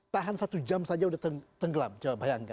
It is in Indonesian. tahan satu jam saja sudah tenggelam coba bayangkan